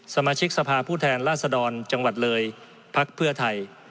สมาชิกสภาผู้แทนราษฎรจังหวัดเลยพักเพื่อไทย